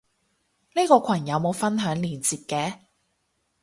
呢個羣有冇分享連接嘅？